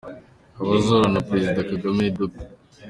Abazahura na Perezida Kagame ni Dr.